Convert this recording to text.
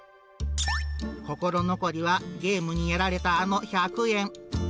心残りは、ゲームにやられたあの１００円。